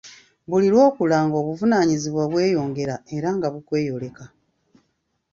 Buli lw'okula nga n'obuvunaanyizibwa bweyongera era nga bukweyoleka.